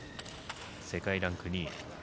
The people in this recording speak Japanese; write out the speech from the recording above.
世界ランク２位。